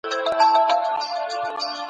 په خبرو کې فکر وکړئ.